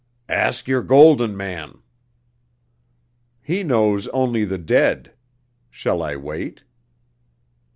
"Ask your Golden Man." "He knows only the dead. Shall I wait?"